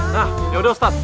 nah ya udah ustadz